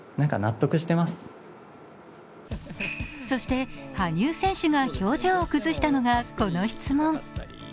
そして羽生選手が表情を崩したのがこの質問。